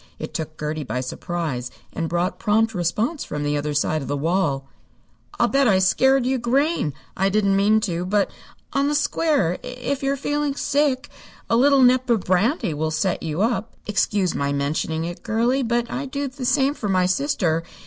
It took Gertie by surprise, and brought prompt response from the other side of the wall. "I'll bet I scared you green. I didn't mean to, but, on the square, if you're feeling sick, a little nip of brandy will set you up. Excuse my mentioning it, girlie, but I'd do the same for my sister.